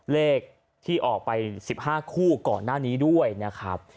เลขที่ออกไป๑๕คู่ก่อนหน้านี้ด้วยนะครับ